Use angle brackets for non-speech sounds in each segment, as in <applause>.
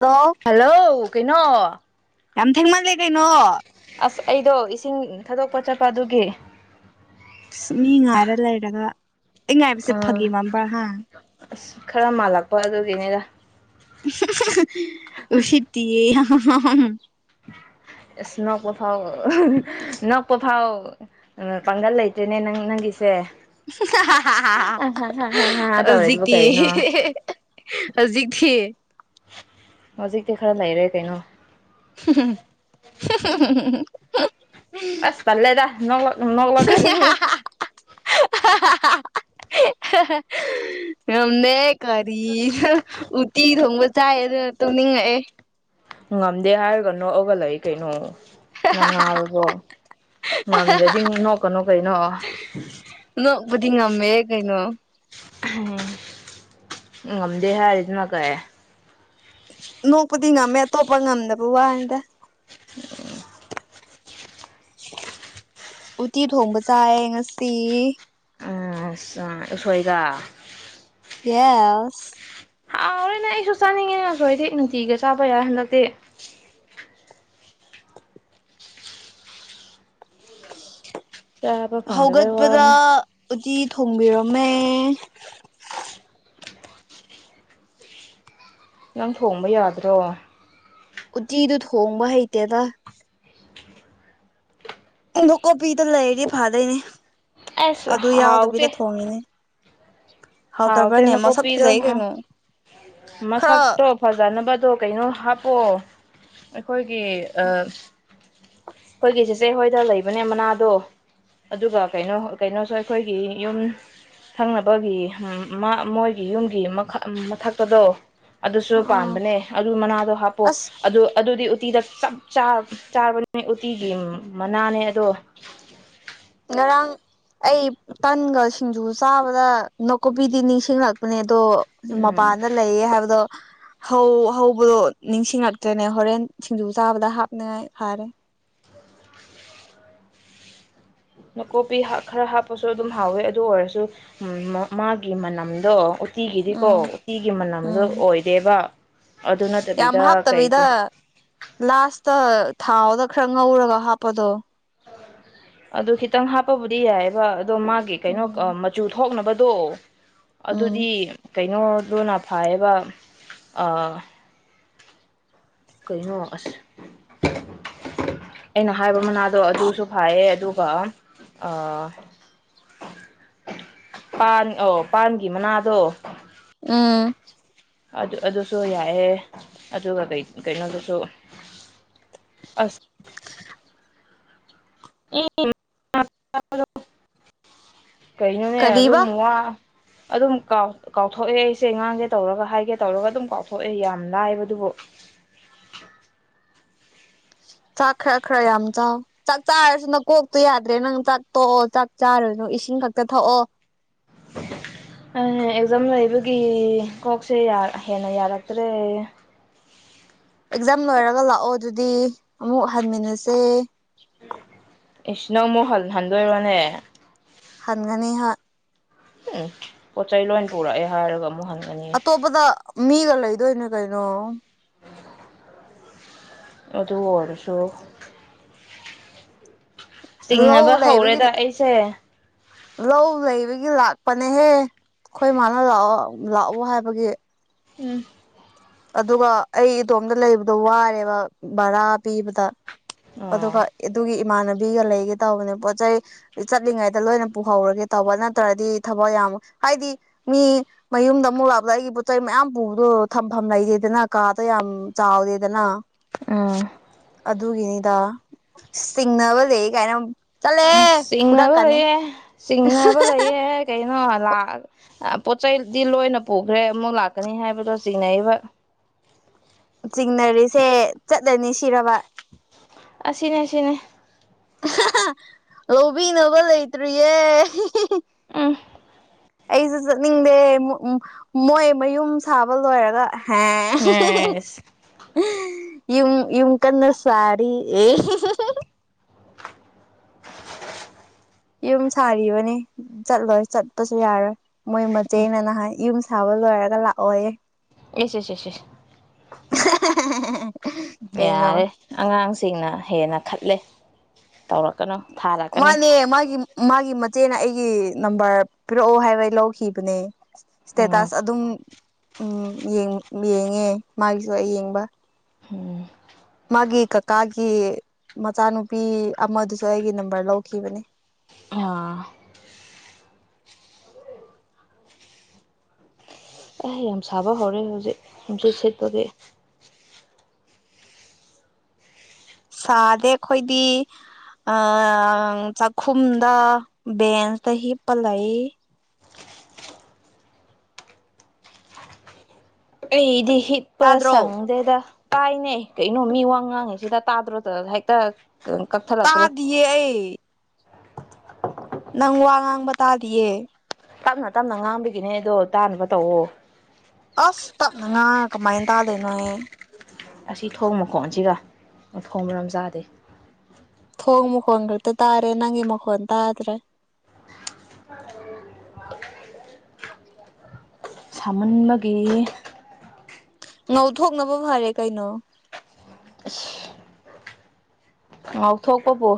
Hello. Hello ꯀꯩꯅꯣ꯫ ꯌꯥꯝ ꯊꯦꯡꯃꯜꯂꯦ ꯀꯩꯅꯣ꯫ ꯑꯁ ꯑꯩꯗꯣ ꯏꯁꯤꯡ ꯊꯥꯗꯣꯛꯄ ꯆꯠꯄ ꯑꯗꯨꯒꯤ꯫ ꯑꯁ ꯃꯤ ꯉꯥꯏꯔ ꯂꯩꯔꯒ ꯑꯩ ꯉꯥꯏꯕꯁꯦ ꯑꯥ ꯐꯒꯤ ꯃꯝꯕ꯭ꯔꯥ ꯍꯥ꯫ ꯑꯁ ꯈꯔ ꯃꯥꯜꯂꯛꯄ ꯑꯗꯨꯒꯤꯅꯤꯗ <inaudible> ꯎꯁꯤꯠ ꯇꯤꯌꯦ ꯑ ꯏꯁ ꯅꯪ ꯄꯣꯊꯥꯎ ꯅꯪ ꯄꯣꯊꯥꯎ ꯄꯥꯡꯒꯜ ꯂꯩꯇ꯭ꯔꯦꯅꯦ ꯅꯪ ꯅꯪꯒꯤꯁꯦ ꯍꯤ ꯍꯤ ꯍꯥ ꯍꯥ ꯇꯧꯔꯤꯗꯨꯕꯨ ꯍꯧꯖꯤꯛꯇꯤ ꯀꯩꯅꯣ ꯍꯧꯖꯤꯛ ꯇꯤ ꯍꯧꯖꯤꯛꯇꯤ ꯈꯔ ꯂꯩꯔꯦ ꯀꯩꯅꯣ <inaudible> ꯑꯁ ꯇꯜꯂꯦꯗ ꯅꯣꯛꯂꯛ ꯅꯣꯛꯂꯛ ꯀꯅꯨ <inaudible> ꯉꯝꯅꯦꯛ ꯀꯔꯤꯅꯣ ꯎꯇꯤ ꯊꯣꯡꯕ ꯆꯥꯏ ꯑꯗꯨꯅ ꯇꯨꯝꯅꯤꯡꯉꯛꯑꯦ ꯉꯝꯗꯦ ꯍꯥꯏꯔꯒ ꯅꯣꯛꯑꯒ ꯂꯩ ꯀꯩꯅꯣ꯫ ꯅꯪ ꯉꯥꯎꯔꯕꯣ ꯉꯝꯗꯗꯤ ꯅꯣꯛꯀꯅꯣ ꯀꯩꯅꯣ꯫ ꯅꯣꯛꯕꯗꯤ ꯉꯝꯃꯦ ꯀꯩꯅꯣ꯫ ꯉꯝꯗꯦ ꯍꯥꯏꯔꯤꯗꯨꯅ ꯀꯩ ꯅꯣꯛꯄꯗꯤ ꯉꯝꯃꯦ ꯑꯇꯣꯞꯄ ꯉꯝꯗꯕ ꯋꯥꯅꯤꯗ꯫ ꯎꯇꯤ ꯊꯣꯡꯕ ꯆꯥꯏ ꯉꯁꯤ꯫ ꯑꯁ ꯎꯁꯣꯏꯗ꯫ ꯌꯦꯁ꯫ ꯑꯥꯎꯔꯦꯅꯦ ꯑꯩꯁꯨ ꯆꯥꯅꯤꯡꯉꯦꯅꯦ ꯅꯨꯡꯇꯤꯒ ꯆꯥꯕ ꯌꯥꯏ ꯍꯟꯗꯛꯇꯤ꯫ ꯆꯥꯕ ꯐꯪꯗꯕꯩ ꯍꯧꯒꯠꯄꯗ ꯋꯥꯅꯦ ꯎꯇꯤ ꯊꯣꯡꯕꯤꯔꯝꯃꯦ꯫ ꯅꯪ ꯊꯣꯡꯕ ꯌꯥꯗ꯭ꯔꯣ꯫ ꯎꯇꯤꯗꯨ ꯊꯣꯡꯕ ꯍꯩꯇꯦꯗ꯫ ꯀꯣꯕꯤꯗꯨ ꯂꯩꯔꯤ ꯐꯥꯗꯣꯏꯅꯦ ꯑꯁ ꯑꯗꯨ ꯍꯥꯎꯇꯦ ꯌꯥꯎꯗꯕꯤꯗ ꯊꯣꯡꯉꯤꯅꯦ꯫ ꯍꯥꯎ ꯍꯥꯎꯇꯦ ꯇꯕ꯭ꯔꯅꯦ ꯃꯁꯛ ꯅꯥꯀꯨꯞꯄꯤꯗꯣ ꯐꯖꯩ ꯎꯝ ꯀꯩꯅꯣ ꯈꯔ꯫ ꯃꯁꯛꯇꯣ ꯐꯖꯅꯕꯗꯣ ꯀꯩꯅꯣ ꯍꯥꯞꯄꯑꯣ ꯑꯩꯈꯣꯏꯒꯤ꯫ ꯑꯩꯈꯣꯏꯒꯤ ꯆꯦꯆꯦ ꯍꯣꯏꯗ ꯂꯩꯕꯅꯦ ꯃꯅꯥꯗꯣ꯫ ꯑꯗꯨꯒ ꯀꯩꯅꯣ ꯀꯩꯅꯣꯁꯨ ꯑꯩꯈꯣꯏꯒꯤ ꯌꯨꯝ ꯁꯪꯅꯕꯒꯤ꯫ ꯃꯣꯏꯒꯤ ꯌꯨꯝꯒꯤ ꯃꯊꯛꯇꯗꯣ꯫ ꯑꯗꯨꯁꯨ ꯎꯝ ꯄꯥꯟꯕꯅꯦ ꯑꯗꯨ ꯃꯅꯥꯗꯣ ꯍꯥꯞꯄꯣ꯫ ꯑꯁ ꯑꯗꯨ ꯑꯗꯨꯗꯤ ꯎꯇꯤꯗ ꯆꯞ ꯆꯥꯕꯅꯤ ꯎꯇꯤꯒꯤ ꯃꯅꯥꯅꯦ ꯑꯗꯣ꯫ ꯉꯔꯥꯡ ꯑꯩ ꯇꯟꯒ ꯁꯤꯡꯖꯨ ꯆꯥꯕꯗ ꯅꯥꯀꯨꯞꯄꯤꯗꯤ ꯅꯤꯡꯁꯤꯡꯂꯛ꯫ ꯅꯦ ꯑꯗꯣ ꯎꯝ ꯃꯄꯥꯟꯗ ꯂꯩꯌꯦ ꯍꯥꯏꯕꯗꯣ꯫ ꯍꯧꯕꯗꯣ ꯅꯤꯡꯁꯤꯡꯂꯛꯇ꯭ꯔꯦꯅꯦ ꯍꯣꯔꯦꯟ ꯁꯤꯡꯖꯨ ꯆꯥꯕꯗ ꯍꯥꯞꯅꯤꯡꯉꯥꯏ ꯐꯔꯦ꯫ ꯅꯥꯀꯣꯄꯤ ꯈꯔ ꯍꯥꯞꯄꯁꯨ ꯑꯗꯨꯝ ꯍꯥꯎꯋꯦ ꯑꯗꯨ ꯑꯣꯏꯔꯁꯨ꯫ ꯎꯝ ꯃꯥꯒꯤ ꯃꯅꯝꯗꯣ꯫ ꯇꯤꯒꯤꯗꯤꯀꯣ ꯎꯝ ꯇꯤꯒꯤ ꯃꯅꯝꯗꯣ ꯎꯝ ꯑꯣꯏꯗꯦꯕ ꯑꯗꯨ ꯌꯥꯝ ꯅꯠꯇꯕꯤꯗ ꯀꯩꯒꯤ꯫ ꯍꯥꯞꯇꯕꯤꯗ ꯂꯥꯁꯇ ꯊꯥꯎꯗ ꯈꯔ ꯉꯧꯔꯒ ꯍꯥꯞꯄꯗꯣ꯫ ꯑꯗꯨ ꯈꯤꯇꯪ ꯍꯥꯞꯄꯕꯨꯗꯤ ꯌꯥꯏꯑꯦꯕ ꯑꯗꯣ ꯃꯥꯒꯤ ꯀꯩꯅꯣ ꯎꯝ ꯃꯆꯨ ꯊꯣꯛꯅꯕꯗꯣ ꯎꯝ ꯑꯗꯨꯗꯤ ꯀꯩꯅꯣꯗꯨꯅ ꯐꯥꯏꯌꯦꯕ ꯀꯩꯅꯣ ꯑꯁ ꯑꯩꯅ ꯍꯥꯏꯕ ꯃꯅꯥꯗꯣ ꯑꯗꯨꯁꯨ ꯐꯌꯦ ꯑꯗꯨꯒ ꯑꯥ ꯄꯥꯟ ꯑꯣ ꯄꯥꯟꯒꯤ ꯃꯅꯥꯗꯣ ꯎꯝ ꯑꯗꯨ ꯑꯗꯨꯁꯨ ꯌꯥꯏꯑꯦ ꯑꯗꯨꯒ ꯀꯩ ꯀꯩꯅꯣꯗꯨꯁꯨ ꯑꯁ ꯏ ꯀꯩꯅꯣꯅꯦ ꯀꯔꯤꯕ ꯑꯗꯨꯝ ꯋꯥ ꯑꯗꯨꯝ ꯀꯥꯎꯊꯣꯛꯑꯦ ꯑꯩꯁꯦ ꯉꯥꯡꯒꯦ ꯇꯧꯔꯒ ꯍꯥꯏꯒꯦ ꯇꯧꯔꯒ ꯑꯗꯨꯝ ꯀꯥꯎꯊꯣꯛꯑꯦ ꯌꯥꯝ ꯂꯥꯏꯕꯗꯨꯕꯨ ꯆꯥꯛ ꯈꯔꯥ ꯈꯔꯥ ꯌꯥꯝ ꯆꯥꯑꯣ ꯆꯥꯛ ꯆꯥꯔꯁꯨ ꯅꯪ ꯀꯣꯛꯇꯨ ꯌꯥꯗ꯭ꯔꯦ ꯅꯪ ꯆꯥꯛ ꯇꯣꯛꯑꯣ ꯆꯥꯛ ꯆꯥꯔꯅꯨ ꯏꯁꯤꯡ ꯈꯛꯇ ꯊꯛꯑꯣ ꯑ ꯑꯦꯛꯖꯥꯝ ꯂꯩꯕꯒꯤ ꯀꯣꯛꯁꯦ ꯍꯦꯟꯅ ꯌꯥꯔꯛꯇ꯭ꯔꯦ ꯑꯦꯛꯖꯥꯝ ꯂꯣꯏꯔꯒ ꯂꯥꯛꯑꯣ ꯑꯗꯨꯗꯤ ꯑꯃꯨꯛ ꯍꯟꯃꯤꯟꯅꯁꯦ ꯏꯁꯤ ꯅꯪ ꯑꯃꯨꯛ ꯍꯜꯍꯟꯗꯣꯏꯔꯣꯅꯦ ꯍꯟꯒꯥꯅꯤ ꯍꯥ ꯎꯝ ꯄꯣꯠ ꯆꯩꯩ ꯂꯣꯏ ꯄꯨꯔꯛꯑꯦ ꯍꯥꯏꯔꯒ ꯑꯃꯨꯛ ꯍꯪꯉꯦ ꯑꯇꯣꯞꯄꯗ ꯃꯤꯒ ꯂꯩꯗꯣꯏꯅꯦ ꯀꯩꯅꯣ ꯑꯗꯨ ꯑꯣꯏꯔꯁꯨ ꯂꯎ ꯆꯤꯡꯅꯕ ꯂꯩꯏꯕꯒ ꯍꯧꯔꯦꯗ ꯑꯩꯁꯦ ꯂꯧ ꯂꯩꯕꯒꯤ ꯂꯥꯛꯄꯅꯦꯍꯦ ꯑꯩꯈꯣꯏ ꯃꯥꯅ ꯂꯥꯛꯑꯣ ꯂꯥꯛꯑꯣ ꯍꯥꯏꯕꯒꯤ ꯎꯝ ꯑꯗꯨꯒ ꯑꯩ ꯏꯗꯣꯝꯗ ꯂꯩꯕꯗꯣ ꯋꯥꯔꯦꯕ ꯚꯔꯥ ꯄꯤꯕꯗ ꯑꯣ ꯑꯗꯨꯒ ꯑꯗꯨꯒꯤ ꯏꯃꯥꯟꯅꯕꯤꯒ ꯂꯩꯒꯦ ꯇꯧꯕꯅꯦ ꯄꯣꯠ ꯆꯩ ꯆꯠꯂꯤꯉꯩꯗ ꯂꯣꯏꯅ ꯄꯨꯍꯧꯔꯒꯦ ꯇꯧꯕ ꯅꯠꯇ꯭ꯔꯗꯤ ꯊꯕꯛ ꯌꯥꯝ ꯍꯥꯏꯗꯤ ꯃꯤ ꯃꯌꯨꯝꯗ ꯑꯃꯨꯛ ꯂꯥꯛꯄꯗ ꯑꯩꯒꯤ ꯄꯣꯠ ꯆꯩ ꯃꯌꯥꯝ ꯄꯨꯕꯗꯣ ꯐꯐꯝ ꯂꯩꯇꯦꯗꯅ ꯀꯥꯗꯣ ꯌꯥꯝ ꯆꯥꯎꯗꯦꯗꯅ ꯑ ꯑꯗꯨꯒꯤꯅꯤꯗ ꯆꯤꯡꯅꯕ ꯂꯩ ꯀꯥꯏꯅ ꯆꯠꯂꯦ ꯆꯤꯡꯅꯕ ꯐꯨꯔꯛꯀꯅꯤ ꯂꯩꯌꯦ ꯆꯤꯡꯅꯕ ꯂꯩꯌꯦ ꯀꯩꯅꯣ ꯄꯣꯠ ꯆꯩꯗꯤ ꯂꯣꯏꯅ ꯄꯨꯈ꯭ꯔꯦ ꯑꯃꯨꯛ ꯂꯥꯛꯀꯅꯤ ꯍꯥꯏꯕꯗꯣ ꯆꯤꯡꯅꯔꯤꯕ ꯆꯤꯡꯅꯔꯤꯁꯦ ꯆꯠꯂꯅꯤ ꯁꯤꯔꯕ ꯑꯁꯤ ꯑꯁꯤꯅꯦ ꯑꯁꯤꯅꯦ ꯂꯧꯕꯤꯅꯕ ꯂꯩꯇ꯭ꯔꯤꯌꯦ ꯑꯝ ꯑꯩꯁꯨ ꯆꯠꯅꯤꯡꯗꯦ ꯃꯣꯏ ꯃꯌꯨꯝ ꯁꯥꯕ ꯂꯣꯏꯔꯒ ꯍ ꯑꯦꯁ ꯌꯨꯝ ꯌꯨꯝ ꯀꯟꯅ ꯁꯔꯤ ꯑꯦ ꯌꯨꯝ ꯁꯥꯔꯤꯕꯅꯤ ꯆꯠꯂꯣꯏ ꯆꯠꯄꯁꯨ ꯌꯥꯔꯣꯏ ꯃꯣꯏ ꯃꯆꯦꯅ ꯅ ꯍꯥꯏ ꯌꯨꯝ ꯁꯥꯕ ꯂꯣꯏꯔꯒ ꯂꯥꯛꯑꯣꯌꯦ ꯑꯦꯁꯦꯁꯁ ꯑꯍꯦ <unintelligible> ꯌꯥꯔꯦ ꯑꯉꯥꯡꯁꯤꯡꯅ ꯍꯦꯟꯅ ꯈꯠꯂꯦ ꯇꯧꯔꯛꯀꯅꯨ ꯊꯥꯔꯛꯀꯅꯤ ꯃꯥꯅꯦ ꯃꯥꯒꯤ ꯃꯥꯒꯤ ꯃꯆꯦꯅ ꯑꯩꯒꯤ ꯅꯝꯕꯔ ꯄꯤꯔꯛꯑꯣ ꯍꯥꯏꯕ ꯂꯧꯈꯤꯕꯅꯦ ꯎꯝ ꯏꯁꯇꯦꯇꯥꯁ ꯑꯗꯨꯝ ꯎꯝ ꯌꯦꯡꯉꯦ ꯃꯥꯒꯤꯁꯨ ꯑꯩ ꯌꯦꯡꯕ ꯎꯝ ꯃꯥꯒꯤ ꯀꯀꯥꯒꯤ ꯃꯆꯥꯅꯨꯄꯤ ꯑꯃꯗꯨꯁꯨ ꯑꯩꯒꯤ ꯅꯝꯕꯔ ꯂꯧꯈꯤꯕꯅꯦ ꯑꯥ ꯑꯩ ꯌꯥꯝ ꯁꯥꯕ ꯍꯧꯔꯦ ꯍꯧꯖꯤꯛ ꯅꯨꯡꯁꯤꯠ ꯁꯤꯠꯄꯒꯤ ꯁꯥꯗꯦ ꯑꯩꯈꯣꯏꯗꯤ ꯑ ꯆꯥꯛꯈꯨꯝꯗ ꯕꯦꯟꯁꯇ ꯍꯤꯞꯄ ꯂꯩ ꯑꯩꯗꯤ ꯍꯤꯞꯄ ꯇꯥꯗ꯭ꯔꯣ ꯁꯪꯗꯦꯗꯥ ꯇꯥꯏꯅꯦ ꯀꯩꯅꯣ ꯃꯤ ꯋꯥ ꯉꯥꯡꯉꯤ ꯁꯤꯗ ꯇꯥꯗ꯭ꯔꯣꯗ ꯍꯦꯛꯇ ꯀꯛꯊꯠꯂꯛꯈ꯭ꯔꯣ ꯌꯥꯏ ꯅꯪ ꯋꯥ ꯉꯥꯡꯕ ꯇꯥꯗꯦ ꯇꯞꯅ ꯇꯞꯅ ꯉꯥꯡꯕꯤꯒꯤꯅꯦ ꯑꯗꯣ ꯇꯥꯅꯕ ꯇꯧꯑꯣ ꯑꯁ ꯇꯞꯅ ꯉꯥ ꯀꯃꯥꯏꯅ ꯇꯥꯗꯣꯏꯅꯣꯏ ꯑꯁꯤ ꯊꯣꯡ ꯃꯈꯣꯟꯁꯤꯒ ꯊꯣꯡ ꯃꯔꯝ ꯆꯥꯗꯦ ꯊꯣꯡ ꯃꯈꯣꯟꯜ ꯈꯛꯇ ꯇꯥꯔꯦ ꯅꯪꯒꯤ ꯃꯈꯣꯟ ꯇꯥꯗ꯭ꯔꯦ ꯁꯥꯃꯟꯕꯒꯤ ꯉꯧꯊꯣꯛꯅꯕ ꯐꯔꯦ ꯀꯩꯅꯣ ꯑꯥ ꯉꯧꯊꯣꯛꯄꯣꯕꯨꯣ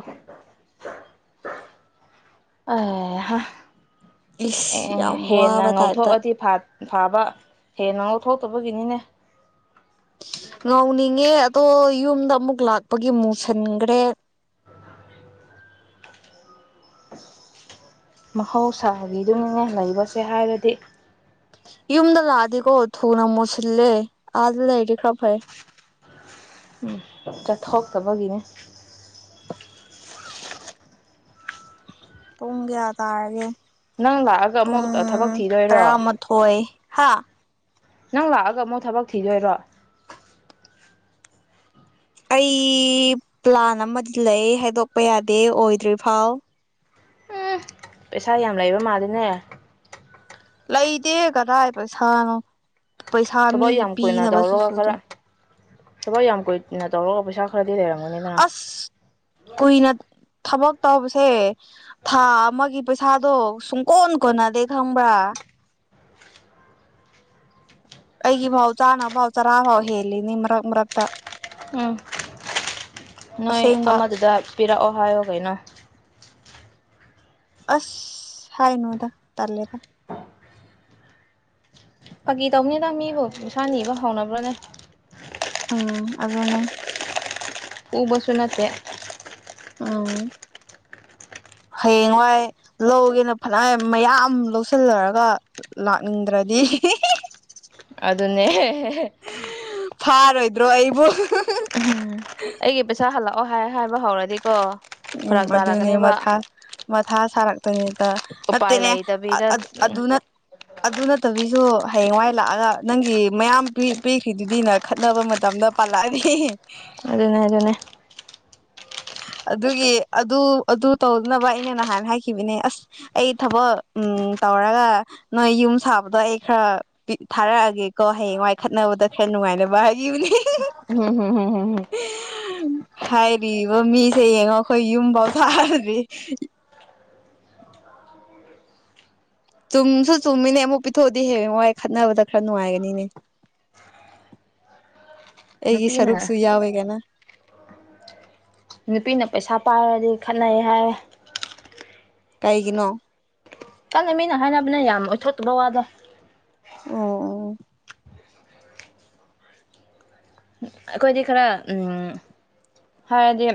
ꯏꯁ ꯑꯦ ꯌꯥꯝ ꯍꯦꯟꯅ ꯋꯥꯕ ꯇꯥꯏꯞꯇ ꯉꯧꯊꯣꯛꯑꯗꯤ ꯐꯠ ꯊꯥꯕ ꯍꯦꯟꯅ ꯉ ꯂꯧꯊꯣꯛꯇꯕꯒꯤꯅꯤꯅꯦ ꯉꯥꯎꯅꯤꯡꯉꯦ ꯑꯗꯣ ꯌꯨꯝꯗ ꯑꯃꯨꯛ ꯂꯥꯛꯄꯒꯤ ꯃꯨꯁꯤꯟꯈ꯭ꯔꯦ ꯃꯍꯧꯁꯥꯒꯤꯗꯨꯅ ꯂꯩꯕꯁꯦ ꯍꯥꯏꯔꯗꯤ ꯌꯨꯝꯗ ꯂꯥꯛꯑꯗꯤꯀꯣ ꯊꯨꯅ ꯃꯨꯠꯁꯤꯜꯂꯦ ꯑꯥꯗ ꯂꯩꯔꯗꯤ ꯈꯔ ꯐꯩ ꯆꯠꯊꯣꯛꯇꯕꯒꯤꯅꯦ ꯄꯨꯡ ꯀꯌꯥ ꯇꯥꯔꯒꯦ ꯅꯪ ꯂꯥꯛꯑꯒ ꯑꯃꯨꯛ ꯊꯕꯛ ꯊꯤꯗꯣꯏꯔꯣ ꯊꯣꯏ ꯍꯥ ꯅꯪ ꯂꯥꯛꯑꯒ ꯑꯃꯨꯛ ꯊꯕꯛ ꯊꯤꯗꯣꯏꯔꯣ ꯑꯩ ꯄ꯭ꯂꯥꯟ ꯑꯃꯗꯤ ꯂꯩ ꯍꯥꯏꯗꯣꯛꯄ ꯌꯥꯗꯦ ꯑꯣꯏꯗ꯭ꯔꯤꯐꯥꯎ ꯎꯝ ꯄꯩꯁꯥ ꯌꯥꯝ ꯂꯩꯕ ꯃꯥꯜꯂꯦꯅꯦ ꯂꯩꯗꯦ ꯀꯗꯥꯏ ꯄꯩꯁꯥꯅꯣ ꯄꯩꯁꯥ ꯊꯕꯛ ꯃꯤꯒꯤ ꯌꯥꯝ ꯄꯤꯅꯕꯁꯨ ꯁꯨꯅꯦꯦ ꯊꯕꯕꯥꯛ ꯌꯥꯝ ꯀꯨꯏꯅ ꯇꯧꯔꯒ ꯄꯩꯁꯥ ꯈꯔꯗꯤ ꯂꯩꯔꯝꯒꯅꯤꯗꯅ ꯑꯁ ꯀꯨꯏꯅ ꯊꯕꯛ ꯇꯧꯕꯁꯦ ꯊꯥ ꯑꯃꯒꯤ ꯄꯩꯁꯥꯗꯣ ꯁꯨꯡꯀꯣꯟ ꯀꯣꯟꯅꯗꯦ ꯈꯪꯕ꯭ꯔꯥ ꯑꯩꯒꯤꯕꯥꯎ ꯆꯥꯅꯥ ꯥꯎ ꯆꯔꯥꯕꯥꯎꯕ ꯍꯥꯏꯦꯜꯂꯤ ꯅꯤꯡ ꯔ ꯃꯛꯇ ꯎꯝ ꯅꯣꯏ ꯑꯁꯦꯡꯕ ꯑꯃꯗꯨꯗ ꯄꯤꯔꯛꯑꯣ ꯍꯥꯏꯌꯣ ꯀꯩꯅꯣ ꯑꯁ ꯍꯥꯏꯅꯣꯗ ꯇꯂꯦꯗ ꯐꯥꯒꯤ ꯇꯧꯅꯤ ꯇꯧꯃꯤꯕꯨ ꯏꯁꯥꯅꯤꯕ ꯍꯧꯥꯎꯅꯕ꯭ꯔꯅꯦ ꯎꯝ ꯑꯒꯅꯦ ꯎ ꯁꯨꯟ ꯑꯇꯩ ꯑ ꯍꯌꯦꯡꯋꯥꯏ ꯂꯧꯒꯦꯅ ꯐꯅꯌꯥꯝ ꯃꯌꯥꯝ ꯂꯧꯁꯤꯜꯂꯔꯒ ꯂꯥꯛꯅꯤꯡꯗ꯭ꯔꯗꯤ ꯑꯗꯨ ꯑꯗꯨꯅꯦꯦ ꯐꯥꯔꯣꯏꯗ꯭ꯔꯣ ꯑꯩꯕꯨ ꯑꯩꯒꯤ ꯄꯩꯁꯥ ꯍꯜꯂꯛꯑꯣ ꯍꯥꯏ ꯍꯥꯏꯕ ꯍꯧꯔꯗꯤꯀꯣ ꯎꯝ ꯐꯔꯛ ꯑꯗꯨꯗ ꯇꯥꯔꯛꯀꯅꯦꯕ ꯅꯊ ꯃꯊꯥ ꯁꯥꯔꯛꯇꯅꯤꯗ ꯎꯄꯥꯏ ꯅꯠꯇꯦꯅꯦ ꯂꯩꯇꯕꯤꯗ ꯑꯗꯨꯅ ꯑꯗꯨ ꯅꯠꯇꯕꯤꯁꯨ ꯍꯌꯦꯡꯋꯥꯏ ꯂꯥꯛꯑꯒ ꯅꯪꯒꯤ ꯃꯌꯥꯝ ꯄꯤꯈ꯭ꯔꯤꯗꯨꯗꯤꯅ ꯈꯠꯅꯕ ꯃꯇꯝꯗ ꯄꯂꯗꯤ ꯑꯗꯨꯅꯦ ꯑꯗꯨꯅꯦ ꯑꯗꯨꯒꯤ ꯑꯗꯨ ꯑꯗꯨ ꯇꯧꯗꯅꯕ ꯑꯩꯅ ꯅꯍꯥꯟꯅ ꯍꯥꯏꯈꯤꯕꯅꯦ ꯑꯁ ꯑꯩ ꯊꯕꯛ ꯎꯝ ꯇꯧꯔꯒ ꯅꯣꯏ ꯌꯨꯝ ꯁꯥꯕꯗꯣ ꯑꯩ ꯈꯔ ꯊꯥꯔꯛꯑꯒꯦꯀꯣ ꯍꯌꯦꯡ ꯋꯥꯏꯈꯠꯅꯕꯗ ꯈꯔ ꯅꯨꯡꯉꯥꯏꯅꯕ ꯍꯥꯏꯈꯤꯕꯅꯦ ꯎꯝ ꯍ ꯍꯝ ꯍꯥꯏꯔꯤꯕ ꯃꯤꯁꯦ ꯌꯦꯡꯉꯣ ꯑꯩꯈꯣꯏ ꯌꯨꯝꯐꯥꯎ ꯊꯥꯔꯗꯤ ꯆꯨꯝꯁꯨ ꯆꯨꯝꯃꯤꯅꯦ ꯑꯃꯨꯛ ꯄꯤꯊꯣꯛꯑꯗꯤ ꯍꯦ ꯃꯏ ꯈꯠꯅꯕꯗ ꯈꯔ ꯅꯨꯡꯉꯥꯏꯒꯅꯤꯅꯦ <unintelligible> ꯑꯩꯒꯤ ꯁꯔꯨꯛꯁꯨ ꯌꯥꯎꯋꯦꯒꯅ ꯅꯨꯄꯤꯅ ꯄꯩꯁꯥ ꯄꯥꯏꯔꯗꯤ ꯈꯠꯅꯩ ꯍꯥꯏ ꯀꯩꯒꯤꯅꯣ ꯀꯪꯅ ꯃꯤꯅ ꯍꯥꯏꯅꯕꯅ ꯌꯥꯝ ꯑꯣꯏꯊꯣꯛꯇꯕ ꯋꯥꯗꯣ ꯑꯣ ꯑꯣ ꯑꯩꯈꯣꯏꯗꯤ ꯈꯔ ꯍꯥꯏꯔꯗꯤ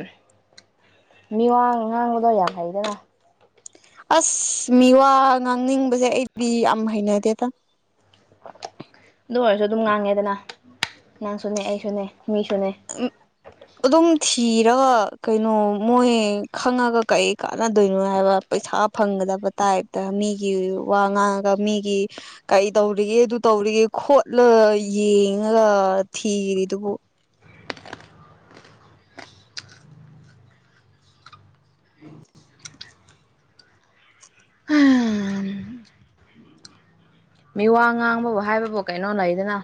ꯃꯤꯋꯥ ꯉꯥꯡꯕꯗꯣ ꯌꯥ ꯐꯩꯗꯅꯥ ꯑꯁ ꯃꯤ ꯋꯥ ꯉꯥꯡꯅꯤꯡꯕꯁꯦ ꯑꯩꯗꯤ ꯌꯥꯝ ꯍꯩꯅꯗꯦꯇ ꯑꯗꯨ ꯑꯣꯏꯔꯁꯨ ꯑꯗꯨꯝ ꯉꯥꯡꯉꯦꯗꯅ ꯅꯪꯁꯨꯅꯦ ꯑꯩꯁꯨꯅꯦ ꯃꯤꯁꯨꯅꯦ ꯎꯝ ꯑꯗꯨꯝ ꯊꯤꯔꯒ ꯀꯩꯅꯣ ꯃꯣꯏ ꯈꯪꯉꯒ ꯀꯔꯤ ꯀꯥꯟꯅꯗꯣꯏꯅꯣ ꯍꯥꯏꯕ ꯄꯩꯁꯥ ꯐꯪꯒꯗꯕ ꯇꯥꯏꯞꯇ ꯃꯤꯒꯤ ꯋꯥ ꯉꯥꯡꯉꯒ ꯃꯤꯒꯤ ꯀꯩ ꯇꯧꯔꯤꯒꯦ ꯑꯗꯨ ꯇꯧꯔꯤꯒꯦ ꯈꯣꯠꯂ ꯌꯦꯡꯉꯒ ꯊꯤꯔꯤꯗꯨꯕꯨ ꯃꯤꯋꯥ ꯉꯥꯡꯕꯕꯨ ꯍꯥꯏꯕꯕꯨ ꯀꯩꯅꯣ ꯂꯩꯗꯅ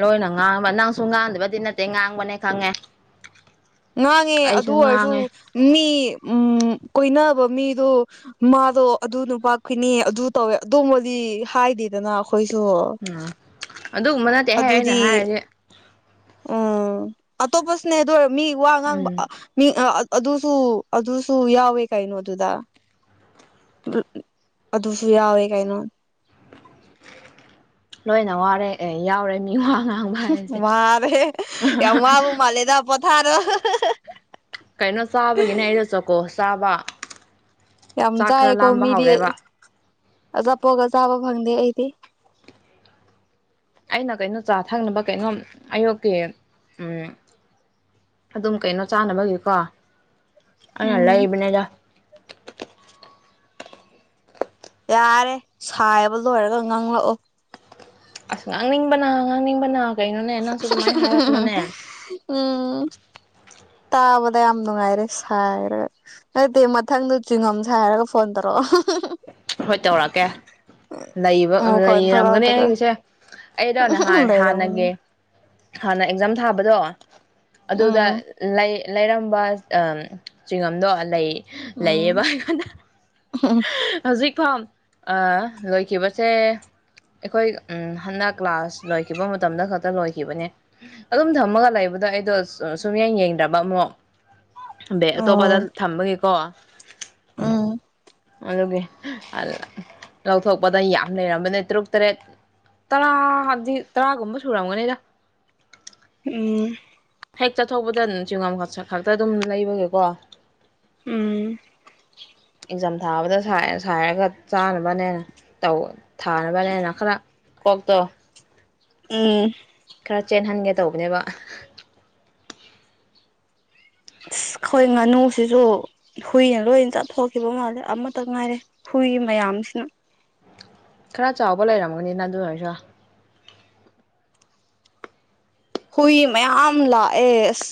ꯂꯣꯏꯅ ꯉꯥꯡꯕ ꯅꯪꯁꯨ ꯉꯥꯡꯗꯕꯗꯤ ꯅꯠꯇꯦ ꯉꯥꯡꯕꯅꯦ ꯈꯪꯉꯦ ꯉꯥꯡꯉꯦ ꯑꯗꯨ ꯑꯩꯁꯨ ꯑꯣꯏꯔꯁꯨ ꯉꯥꯡꯉꯦ ꯃꯤ ꯎ ꯀꯣꯏꯅꯕ ꯃꯤꯗꯨ ꯃꯥꯗꯣ ꯑꯗꯨ ꯅꯨꯄꯥ ꯀꯨꯏꯅꯤ ꯑꯗꯨ ꯇꯧꯋꯦ ꯑꯗꯣꯕꯨꯗꯤ ꯍꯥꯏꯗꯦꯗꯅ ꯑꯩꯈꯣꯏꯁꯨ ꯎꯝ ꯑꯗꯨꯒꯨꯝꯕ ꯅꯠꯇꯦ ꯑꯩꯍꯦꯛ ꯑꯩꯅ ꯍꯥꯏꯔꯗꯤ ꯑꯣ ꯑꯇꯣꯞꯄꯁꯨꯅꯦ ꯑꯗꯨ ꯑꯣꯏꯔ ꯃꯤ ꯋꯥ ꯉꯥꯡꯕ ꯎꯝ ꯃꯤ ꯑꯗꯨꯁꯨ ꯑꯗꯨꯁꯨ ꯌꯥꯎꯋꯦ ꯀꯥꯏꯩꯅꯣ ꯑꯗꯨꯗ ꯑꯗꯨꯁꯨ ꯌꯥꯎꯋꯦ ꯀꯩꯅꯣ ꯂꯣꯏꯅ ꯋꯥꯔꯦ ꯑꯦ ꯌꯥꯎꯔꯦ ꯃꯤ ꯋꯥ ꯉꯥꯡ ꯃꯥꯔꯦ ꯌꯥꯝ ꯋꯥꯕ ꯃꯥꯂꯤꯗ ꯄꯊꯥꯔꯣ ꯀꯩꯅꯣ ꯆꯥꯕꯒꯤꯅꯦ ꯑꯩꯗ ꯆꯣꯀꯣ ꯆꯥꯕ ꯌꯥꯝ ꯆꯥꯛ ꯈꯔ ꯆꯥꯏꯀꯣ ꯂꯥꯝꯕ ꯃꯤꯗꯤ ꯍꯧꯔꯦꯕ ꯑꯆꯥꯄꯣꯒ ꯆꯥꯕ ꯐꯪꯗꯦ ꯑꯩꯗꯤ ꯑꯩꯅ ꯀꯩꯅꯣ ꯆꯥ ꯊꯛꯅꯕ ꯀꯩꯅꯣ ꯑꯌꯨꯛꯀꯤ ꯑꯝ ꯑꯗꯨꯝ ꯀꯩꯅꯣ ꯆꯥꯅꯕꯒꯤꯀꯣ ꯑꯩꯅ ꯎꯝ ꯂꯩꯕꯅꯤꯗ ꯌꯥꯔꯦ ꯁꯥꯏꯕ ꯂꯣꯏꯔꯒ ꯉꯥꯡꯪꯂꯛꯑꯣ ꯑꯁ ꯉꯥꯡꯅꯤꯡꯕꯅ ꯉꯥꯡꯅꯤꯡꯕꯅ ꯀꯩꯅꯣꯅꯦ ꯅꯪꯁꯨ ꯑꯗꯨꯃꯥꯏꯅ ꯍꯥꯏꯔꯛꯄ꯭ꯔꯅꯦ ꯎꯝ ꯇꯥꯕꯗ ꯌꯥꯝ ꯅꯨꯡꯉꯥꯏꯔꯦ ꯁꯥꯏꯔꯒ ꯅꯠꯇꯦ ꯃꯊꯪꯗ ꯆꯤꯡꯉꯝꯁꯦ ꯍꯥꯏꯔꯒ ꯐꯣꯟ ꯇꯧꯔꯛꯑꯣ ꯍꯣꯏ ꯇꯧꯔꯛꯀꯦ ꯂꯩꯕ ꯃꯈꯣꯟ ꯂꯩꯔꯝꯒꯅꯤ ꯊꯣꯛꯂꯛꯑꯒ ꯑꯩꯁꯦ ꯑꯩꯗꯥ ꯅꯍꯤꯟ ꯂꯩꯔꯝꯒꯅꯤ ꯍꯥꯟꯅꯒꯤ ꯍꯥꯟꯅ ꯑꯦꯛꯖꯥꯝ ꯊꯥꯕꯗꯣ ꯑꯗꯨꯒ ꯎꯝ ꯂꯩ ꯂꯩꯔꯝꯕ ꯆꯤꯡꯉꯝꯗꯣ ꯂꯩ ꯂꯩꯌꯦꯕ ꯑꯩꯉꯣꯟꯗ ꯎꯝ ꯍꯧꯖꯤꯛ ꯐꯥꯎ ꯑ ꯂꯣꯏꯈꯤꯕꯁꯦ ꯑꯩꯈꯣꯏ ꯍꯟꯗꯛ ꯀ꯭ꯂꯥꯁ ꯂꯣꯏꯈꯤꯕ ꯃꯇꯝꯗ ꯈꯛꯇ ꯂꯣꯏꯈꯤꯕꯅꯦ ꯑꯗꯨꯝ ꯊꯝꯃꯒ ꯂꯩꯕꯗꯣ ꯑꯩꯗꯣ ꯁꯨꯝꯌꯥꯡ ꯌꯦꯡꯗ꯭ꯔꯕ ꯑꯃꯨꯛ ꯑꯗꯩ ꯑꯇꯣꯞꯄꯗ ꯎꯝ ꯊꯝꯕꯒꯤꯀꯣ ꯎꯝ ꯑꯗꯨꯒꯤ ꯂꯧꯊꯣꯛꯄꯗ ꯌꯥꯝ ꯂꯩꯔꯝꯕꯅꯦ ꯇꯔꯨꯛ ꯇꯔꯦꯠ ꯇꯔꯥ ꯍꯥꯏꯕꯗꯤ ꯇꯔꯥꯒꯨꯝꯕ ꯁꯨꯔꯝꯒꯅꯤꯗ ꯎꯝ ꯍꯦꯛ ꯆꯠꯊꯣꯛꯧꯕꯗ ꯆꯤꯡꯉꯝ ꯈꯛꯇ ꯑꯗꯨꯝ ꯂꯩꯕꯒꯦꯀꯣ ꯎꯝ ꯏꯟꯖꯝ ꯊꯥꯕꯗ ꯁꯥꯏꯔꯒ ꯆꯥꯅꯕꯅꯦꯅꯧ ꯊꯥꯅꯕꯅꯦꯅ ꯈꯔ ꯀꯣꯛ ꯇꯣ ꯎꯝ ꯈꯔ ꯆꯦꯟꯍꯟꯒꯦ ꯇꯧꯕꯅꯦꯕ ꯑꯩꯣꯏ ꯉꯥꯅꯨꯁꯤꯁꯨ ꯍꯨꯏꯅ ꯂꯣꯏꯅ ꯆꯠꯊꯣꯛꯈꯤꯕ ꯃꯥꯜꯂꯦ ꯑꯃꯠꯇ ꯉꯥꯏꯔꯦ ꯍꯨꯏ ꯃꯌꯥꯝꯁꯤꯅ ꯈꯔ ꯆꯥꯎꯕ ꯂꯩꯔꯝꯃꯒꯅꯤ ꯅ ꯑꯗꯨ ꯑꯣꯏꯔꯁꯨ ꯍꯨꯏ ꯃꯌꯥꯝ ꯂꯥꯛꯑꯦ ꯑꯁ